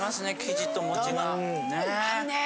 生地と餅が。ね。